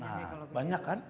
nah banyak kan